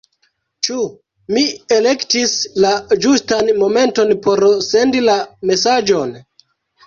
Ĉu mi elektis la ĝustan momenton por sendi la mesaĝon?